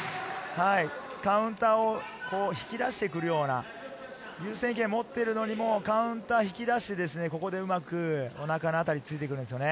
カウンターを引き出してくるような、優先権を持っているのにカウンターを引き出して、ここでうまくおなかの辺り、突いてくるんですよね。